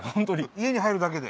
家に入るだけで？